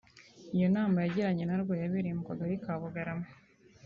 Iyo nama yagiranye na rwo yabereye mu kagari ka Bugarama